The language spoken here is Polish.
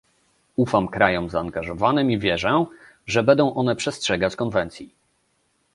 Ufam krajom zaangażowanym i wierzę, że będą one przestrzegać konwencji